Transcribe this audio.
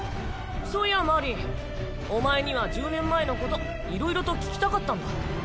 そういやマーリンお前には１０年前のこといろいろと聞きたかったんだ。